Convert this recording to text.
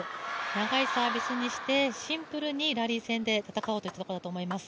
長いサービスにしてシンプルにラリー戦で戦おうとしたと思います。